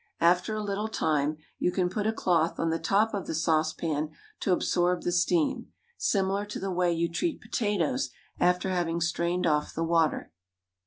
After a little time, you can put a cloth on the top of the saucepan to absorb the steam, similar to the way you treat potatoes after having strained off the water.